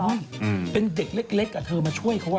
มาช่วยเป็นเด็กเล็กอะเธอมาช่วยเขา